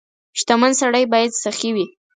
• شتمن سړی باید سخي وي.